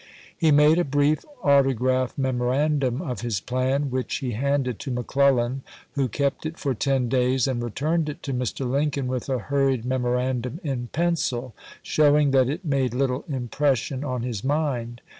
He made a brief autograph memorandum of his plan, which he handed to McClellan, who kept it for ten days and returned it to Mr. Lincoln with a hurried memorandum in pencil, showing that it made little impression on his mind.